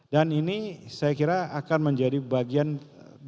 dan ini saya kira akan menjadi bagian dari